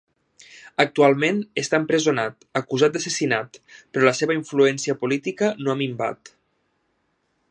Actualment està empresonat acusat d'assassinat però la seva influència política no ha minvat.